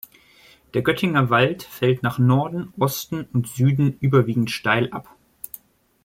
Der Göttinger Wald fällt nach Norden, Osten und Süden überwiegend steil ab.